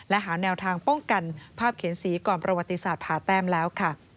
และหาแนวทางป้องกันภาพเขียนสีก่อนประวัติศาสตร์ผ่าแต้มแล้ว